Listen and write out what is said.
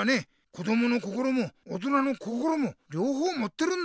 こどもの心も大人の心もりょうほうもってるんだ！